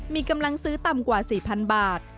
มีกำลังซื้อต่ำกว่า๔๐๐๐บาท